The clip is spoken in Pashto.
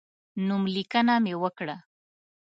نوملیکنه مې وکړه.